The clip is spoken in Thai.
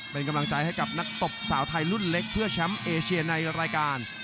เป็นกำลังใจให้กับนักตบสาวไทยรุ่นเล็กเพื่อแชมป์เอเชียในรายการ